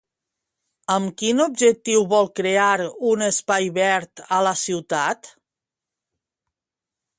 Amb quin objectiu vol crear un espai verd a la ciutat?